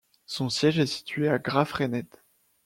Son siège est situé à Graaff-Reinet.